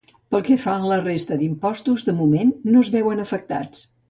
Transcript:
Pel que fa a la resta d’impostos, de moment no es veuen afectats.